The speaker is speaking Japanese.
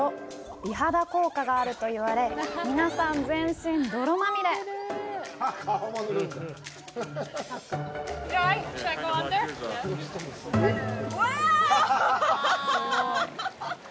美肌効果があると言われ、皆さん、全身、泥まみれ！ウワァ！ハハハハハ！